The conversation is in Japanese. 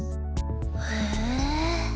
へえ。